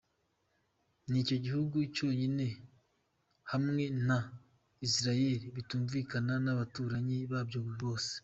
Nicyo gihugu cyonyine hamwe na Israel bitumvikana n’abaturanyi babyo bose